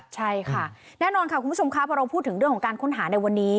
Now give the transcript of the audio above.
ใช่ค่ะแน่นอนค่ะคุณผู้ชมครับพอเราพูดถึงเรื่องของการค้นหาในวันนี้